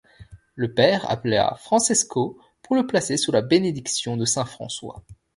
Le père appela Francesco pour le placer sous la bénédiction de saint François.